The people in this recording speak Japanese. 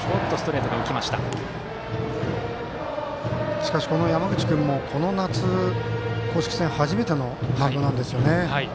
しかし、山口君もこの夏、公式戦初めてのマウンドなんですよね。